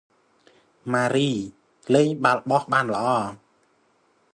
ម៉ារី លេងបាល់បោះបានល្អ ។